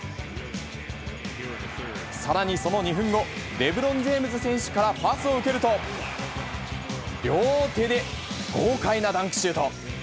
さらに、その２分後、レブロン・ジェームズ選手からパスを受けると、両手で豪快なダンクシュート。